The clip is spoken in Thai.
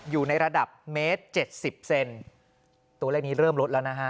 อยู่ในระดับเมตรเจ็ดสิบเซนตัวเลขนี้เริ่มลดแล้วนะฮะ